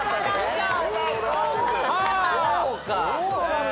そうか。